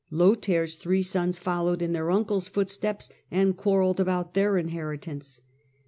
Lothair's three sons followed in their uncles' footsteps and quarrelled about their inheritance.